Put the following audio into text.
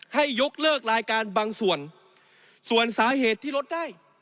ให้ยกเลิกรายการบางส่วนส่วนสาเหตุที่ลดได้